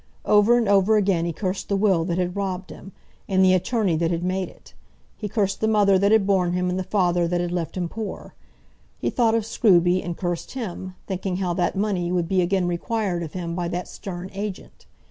Over and over again he cursed the will that had robbed him, and the attorney that had made it. He cursed the mother that had borne him and the father that had left him poor. He thought of Scruby, and cursed him, thinking how that money would be again required of him by that stern agent.